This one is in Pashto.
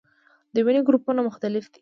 د وینې ګروپونه مختلف دي